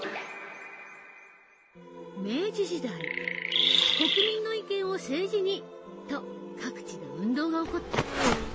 明治時代「国民の意見を政治に！」と各地で運動が起こった。